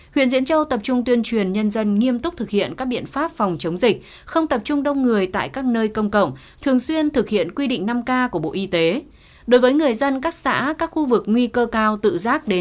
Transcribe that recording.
huyện diễn châu tập trung tuyên truyền nhân dân nghiêm túc thực hiện các biện pháp phòng chống dịch không tập trung đông người tại các nơi công cộng thường xuyên thực hiện quy định năm k của bộ y tế